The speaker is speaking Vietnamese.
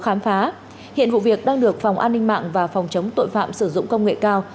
khám phá hiện vụ việc đang được phòng an ninh mạng và phòng chống tội phạm sử dụng công nghệ cao